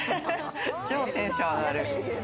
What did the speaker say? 超テンション上がる！